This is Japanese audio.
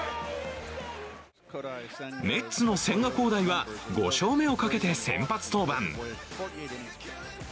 メッツの千賀滉大は５勝目をかけて先発登板。